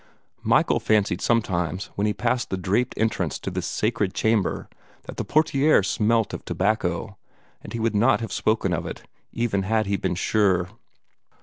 Michael fancied sometimes, when he passed the draped entrance to this sacred chamber, that the portiere smelt of tobacco, but he would not have spoken of it, even had he been sure.